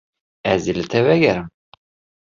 Ez ê li te vegerim.